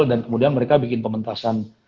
dan kemudian mereka bikin pementasan